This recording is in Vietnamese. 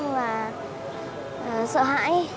và sợ hãi